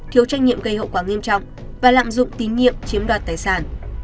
thiếu trách nhiệm gây hậu quả nghiêm trọng và lạm dụng tín nhiệm chiếm đoạt tài sản